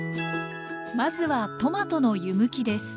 まずはトマトの湯むきです。